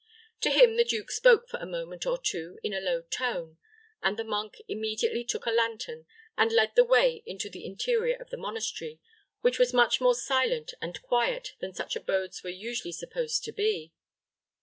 To him the duke spoke for a moment or two in a low tone, and the monk immediately took a lantern, and led the way into the interior of the monastery, which was much more silent and quiet than such abodes were usually supposed to be.